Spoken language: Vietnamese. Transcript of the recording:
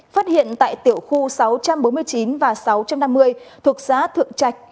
phát hiện tại tiểu khu sáu trăm bốn mươi chín và sáu trăm năm mươi thuộc xã thượng trạch